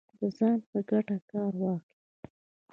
د ځان په ګټه کار واخلي